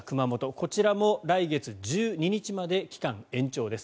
こちらも来月１２日まで期間延長です。